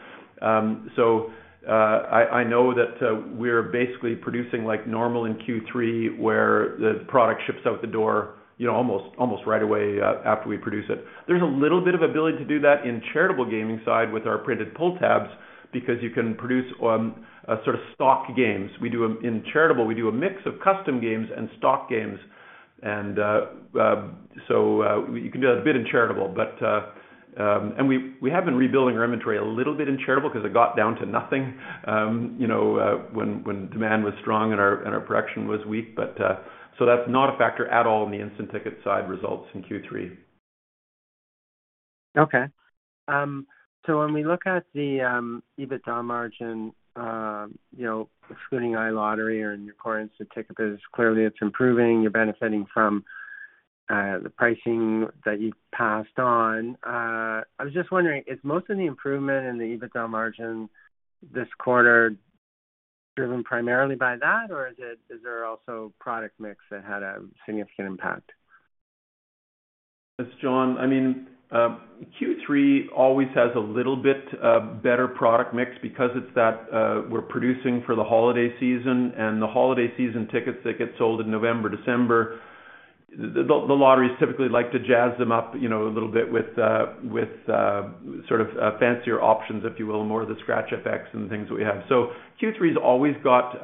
so I know that we're basically producing like normal in Q3 where the product ships out the door almost right away after we produce it. There's a little bit of ability to do that in charitable gaming side with our printed pull tabs because you can produce sort of stock games. In charitable, we do a mix of custom games and stock games. And so you can do that a bit in charitable. And we have been rebuilding our inventory a little bit in charitable because it got down to nothing when demand was strong and our production was weak. But so that's not a factor at all in the instant ticket side results in Q3. Okay. So when we look at the EBITDA margin, excluding iLottery and your core instant ticket business, clearly it's improving. You're benefiting from the pricing that you've passed on. I was just wondering, is most of the improvement in the EBITDA margin this quarter driven primarily by that, or is there also product mix that had a significant impact? It's John. I mean, Q3 always has a little bit better product mix because it's that we're producing for the holiday season. And the holiday season tickets that get sold in November, December, the lotteries typically like to jazz them up a little bit with sort of fancier options, if you will, more of the scratch effects and things that we have. So Q3 has always got,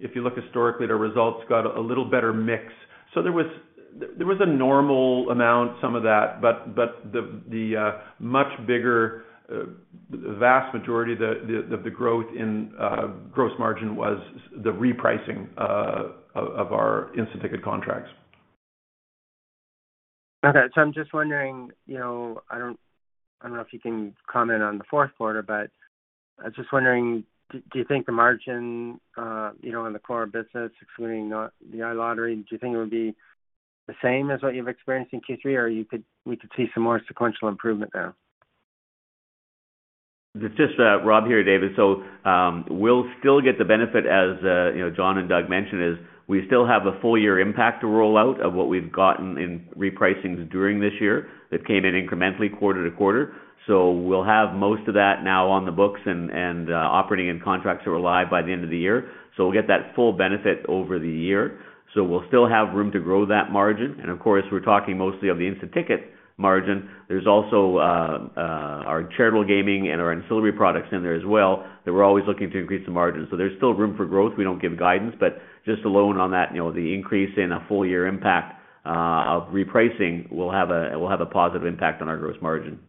if you look historically at our results, got a little better mix. So there was a normal amount, some of that, but the much bigger, vast majority of the growth in gross margin was the repricing of our instant ticket contracts. Okay. So I'm just wondering, I don't know if you can comment on the fourth quarter, but I was just wondering, do you think the margin on the core business, excluding the iLottery, do you think it would be the same as what you've experienced in Q3, or we could see some more sequential improvement there? Just Rob here, David. So we'll still get the benefit, as John and Doug mentioned, is we still have a full-year impact to roll out of what we've gotten in repricings during this year. It came in incrementally quarter to quarter. So we'll have most of that now on the books and operating and contracts that were live by the end of the year. So we'll get that full benefit over the year. So we'll still have room to grow that margin. And of course, we're talking mostly of the instant ticket margin. There's also our charitable gaming and our ancillary products in there as well that we're always looking to increase the margin. So there's still room for growth. We don't give guidance, but just alone on that, the increase in a full-year impact of repricing will have a positive impact on our gross margin.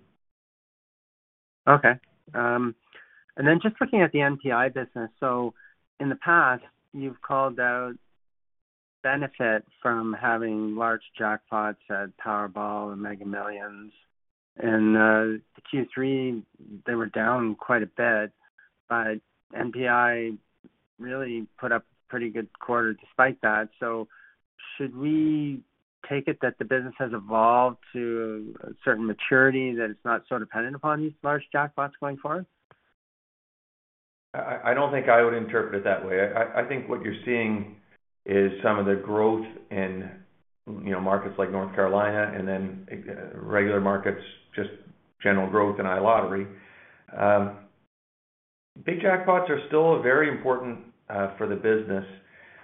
Okay, and then just looking at the NPI business, so in the past, you've called out benefit from having large jackpots at Powerball and Mega Millions, and Q3, they were down quite a bit, but NPI really put up a pretty good quarter despite that, so should we take it that the business has evolved to a certain maturity that it's not so dependent upon these large jackpots going forward? I don't think I would interpret it that way. I think what you're seeing is some of the growth in markets like North Carolina and then regular markets, just general growth in iLottery. Big jackpots are still very important for the business.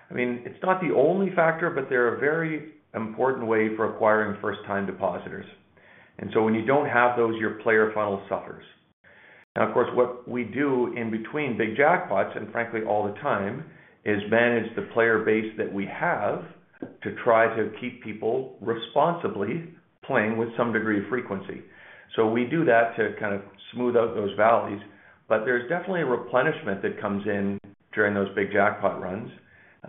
I mean, it's not the only factor, but they're a very important way for acquiring first-time depositors. And so when you don't have those, your player funnel suffers. Now, of course, what we do in between big jackpots, and frankly, all the time, is manage the player base that we have to try to keep people responsibly playing with some degree of frequency. So we do that to kind of smooth out those valleys. But there's definitely a replenishment that comes in during those big jackpot runs.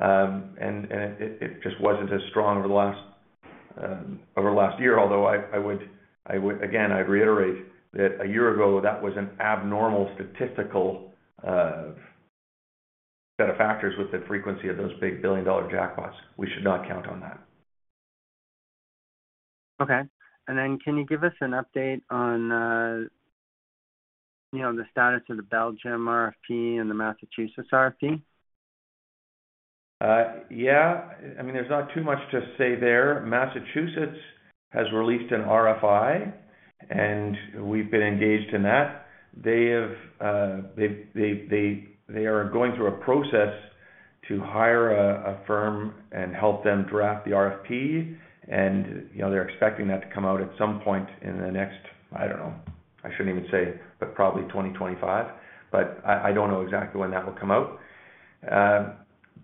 It just wasn't as strong over the last year, although I would, again, I'd reiterate that a year ago, that was an abnormal statistical set of factors with the frequency of those big billion-dollar jackpots. We should not count on that. Okay. And then can you give us an update on the status of the Belgium RFP and the Massachusetts RFP? Yeah. I mean, there's not too much to say there. Massachusetts has released an RFI, and we've been engaged in that. They are going through a process to hire a firm and help them draft the RFP, and they're expecting that to come out at some point in the next, I don't know, I shouldn't even say, but probably 2025. But I don't know exactly when that will come out.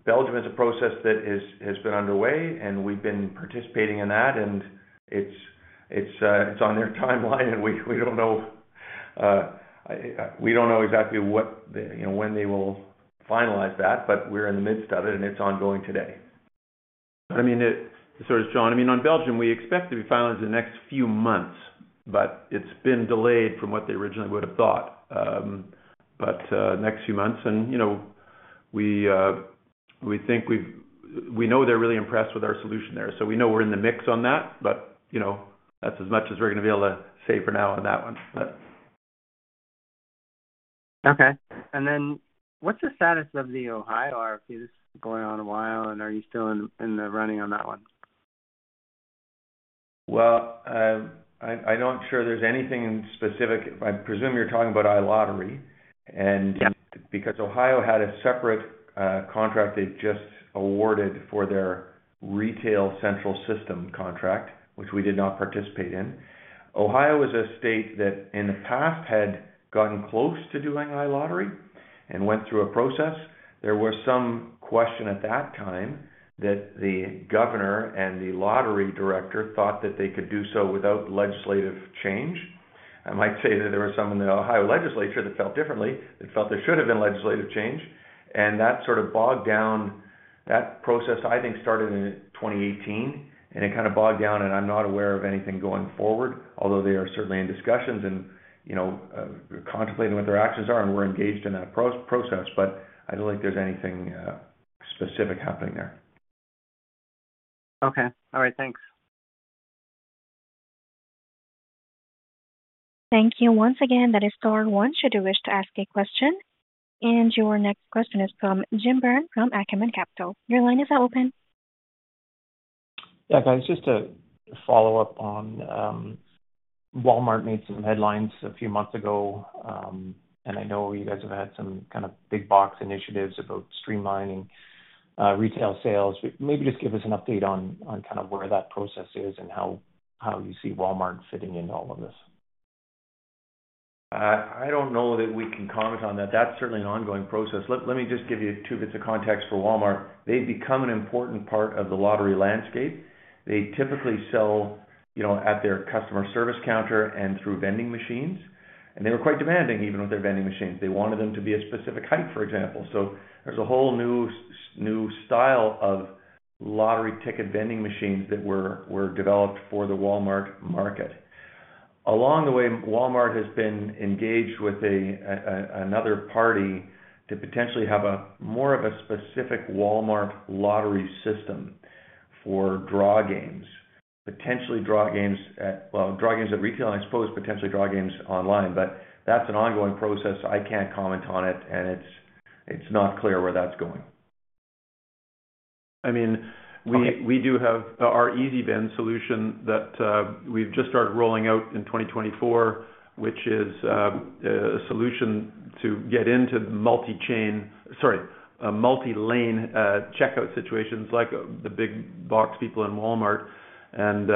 Belgium is a process that has been underway, and we've been participating in that, and it's on their timeline, and we don't know exactly when they will finalize that, but we're in the midst of it, and it's ongoing today. I mean, so it's John. I mean, on Belgium, we expect to be finalized in the next few months, but it's been delayed from what they originally would have thought, but next few months. We think we know they're really impressed with our solution there. So we know we're in the mix on that, but that's as much as we're going to be able to say for now on that one. Okay, and then what's the status of the Ohio RFP? This has been going on a while, and are you still in the running on that one? I'm not sure there's anything specific. I presume you're talking about iLottery. And because Ohio had a separate contract they just awarded for their retail central system contract, which we did not participate in, Ohio is a state that in the past had gotten close to doing iLottery and went through a process. There was some question at that time that the governor and the lottery director thought that they could do so without legislative change. I might say that there was some in the Ohio legislature that felt differently, that felt there should have been legislative change. And that sort of bogged down that process, I think, started in 2018, and it kind of bogged down, and I'm not aware of anything going forward, although they are certainly in discussions and contemplating what their actions are, and we're engaged in that process. But I don't think there's anything specific happening there. Okay. All right. Thanks. Thank you once again. That is star one, should you wish to ask a question, and your next question is from Jim Byrne from Acumen Capital. Your line is now open. Yeah, guys, just a follow-up on Walmart made some headlines a few months ago, and I know you guys have had some kind of big box initiatives about streamlining retail sales. Maybe just give us an update on kind of where that process is and how you see Walmart fitting into all of this. I don't know that we can comment on that. That's certainly an ongoing process. Let me just give you two bits of context for Walmart. They've become an important part of the lottery landscape. They typically sell at their customer service counter and through vending machines, and they were quite demanding even with their vending machines. They wanted them to be a specific height, for example, so there's a whole new style of lottery ticket vending machines that were developed for the Walmart market. Along the way, Walmart has been engaged with another party to potentially have more of a specific Walmart lottery system for draw games, potentially draw games at, well, draw games at retail, and I suppose potentially draw games online, but that's an ongoing process. I can't comment on it, and it's not clear where that's going. I mean, we do have our easyVEND solution that we've just started rolling out in 2024, which is a solution to get into multi-chain, sorry, multi-lane checkout situations like the big box people in Walmart, and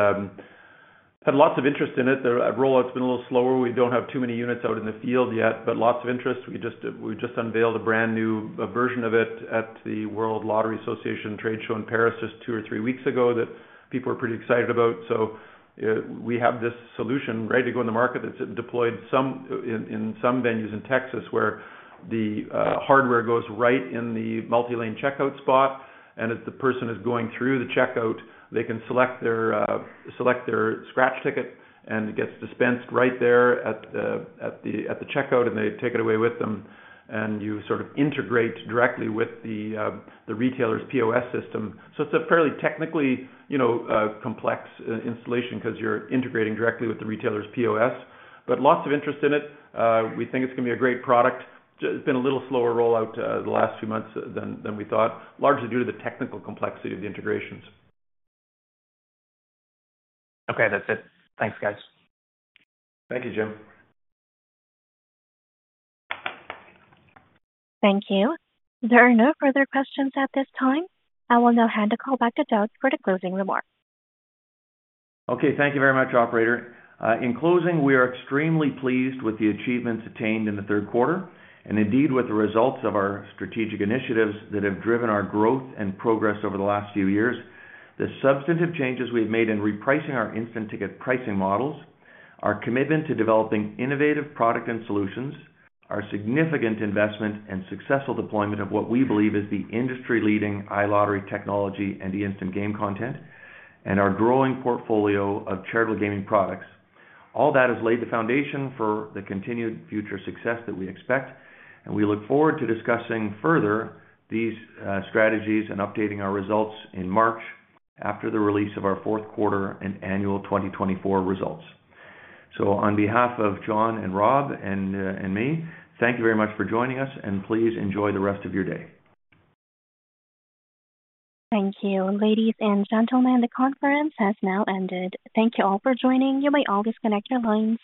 had lots of interest in it. The rollout's been a little slower. We don't have too many units out in the field yet, but lots of interest. We just unveiled a brand new version of it at the World Lottery Association trade show in Paris just two or three weeks ago that people were pretty excited about, so we have this solution ready to go in the market that's deployed in some venues in Texas where the hardware goes right in the multi-lane checkout spot. And as the person is going through the checkout, they can select their scratch ticket and it gets dispensed right there at the checkout, and they take it away with them. And you sort of integrate directly with the retailer's POS system. So it's a fairly technically complex installation because you're integrating directly with the retailer's POS. But lots of interest in it. We think it's going to be a great product. It's been a little slower rollout the last few months than we thought, largely due to the technical complexity of the integrations. Okay. That's it. Thanks, guys. Thank you, Jim. Thank you. There are no further questions at this time. I will now hand the call back to Doug for the closing remarks. Okay. Thank you very much, operator. In closing, we are extremely pleased with the achievements attained in the third quarter and indeed with the results of our strategic initiatives that have driven our growth and progress over the last few years. The substantive changes we have made in repricing our instant ticket pricing models, our commitment to developing innovative product and solutions, our significant investment and successful deployment of what we believe is the industry-leading iLottery technology and the instant game content, and our growing portfolio of charitable gaming products. All that has laid the foundation for the continued future success that we expect, and we look forward to discussing further these strategies and updating our results in March after the release of our fourth quarter and annual 2024 results. So on behalf of John and Rob and me, thank you very much for joining us, and please enjoy the rest of your day. Thank you. Ladies and gentlemen, the conference has now ended. Thank you all for joining. You may always connect your lines.